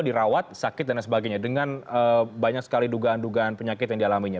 dirawat sakit dan sebagainya dengan banyak sekali dugaan dugaan penyakit yang dialaminya